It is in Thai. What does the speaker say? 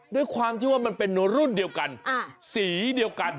ด้วยความที่ว่ามันเป็นรุ่นเดียวกันสีเดียวกัน